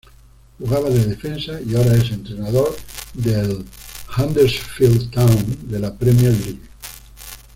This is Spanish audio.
Jugaba de defensa y ahora es entrenador del Huddersfield Town, de la Premier League.